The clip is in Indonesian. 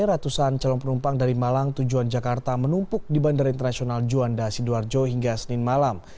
ratusan calon penumpang dari malang tujuan jakarta menumpuk di bandara internasional juanda sidoarjo hingga senin malam